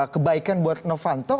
kebaikan buat novanto